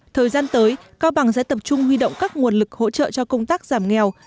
thời gian tới cao bằng sẽ tập trung huy động các nguồn lực hỗ trợ cho công tác giảm nghèo